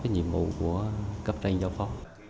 nhiệm vụ của cấp tranh giáo phó